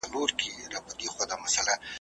خوشالي لکه بلوړ داسي ښکاریږي `